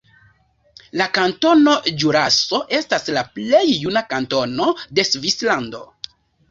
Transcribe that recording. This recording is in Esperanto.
La Kantono Ĵuraso estas la plej juna kantono de Svislando.